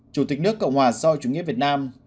chủ tịch nước cộng hòa sau chủ nghĩa việt nam